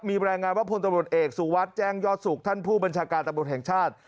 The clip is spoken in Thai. มีรายงานว่าพลตำรวจเอกสุวัสดิ์แจ้งยอดสุขท่านผู้บัญชาการตำรวจแห่งชาติ